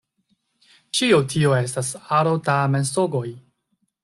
Ĉio tio estas aro da mensogoj.